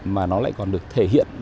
mà nó lại còn được thể hiện